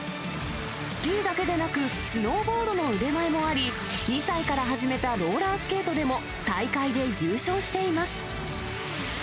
スキーだけでなくスノーボードの腕前もあり、２歳から始めたローラースケートでも大会で優勝しています。